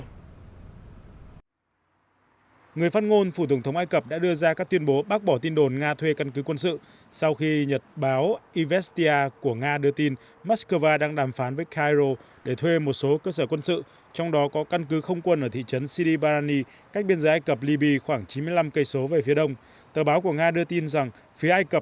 trong lịch sử nước này uy tín của ai cập đã ra tuyên bố bác bỏ khả năng cho phép thành lập bất kỳ căn cứ quân sự của nước ngoài nào tại quốc gia đông bắc phi này